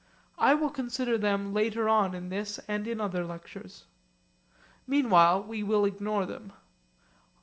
I will consider them later on in this and in other lectures. Meanwhile we will ignore them.